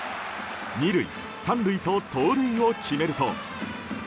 ２塁３塁と盗塁を決めると。